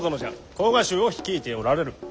甲賀衆を率いておられる。